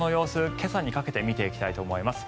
今朝にかけて見ていきたいと思います。